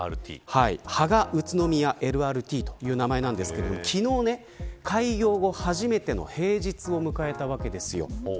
芳賀宇都宮ＬＲＴという名前ですが昨日、開業後初めての平日を迎えたわけです。